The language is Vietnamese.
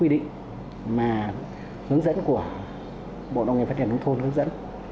vấn đề thứ ba là hướng dẫn của bộ đồng nghiệp phát triển đông thôn hướng dẫn